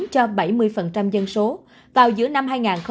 cho bảy mươi dân số vào giữa năm hai nghìn hai mươi